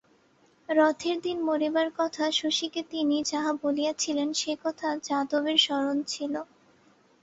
রথের দিন মরিবার কথা শশীকে তিনি যাহা বলিয়াছিলেন সেকথা যাদবের স্মরণ ছিল।